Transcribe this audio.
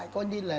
coi như là